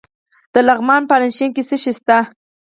د لغمان په علیشنګ کې څه شی شته؟